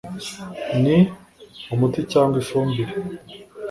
n umuti cyangwa ifumbire